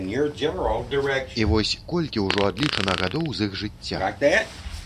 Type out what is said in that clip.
І вось колькі ўжо адлічана гадоў з іх жыцця.